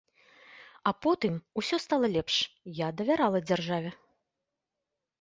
А потым усё стала лепш, я давярала дзяржаве.